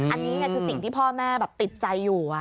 อันนี้คือสิ่งที่พ่อแม่แบบติดใจอยู่